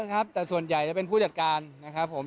ครับแต่ส่วนใหญ่จะเป็นผู้จัดการนะครับผม